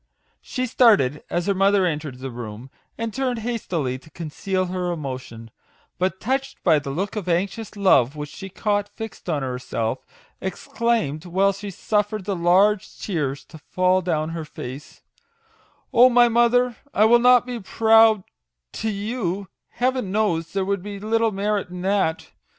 She started as her mother entered the room, and turned hastily to conceal her emotion ; but touched by the look of anxious love which she caught fixed on herself, exclaimed, while she suffered the large tears to fall down her face, " Oh, my mother, I will not be proud to you Heaven knows there would be little merit in that